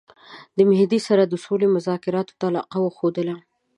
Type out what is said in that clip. د مهدي سره د سولي مذاکراتو ته علاقه وښودله.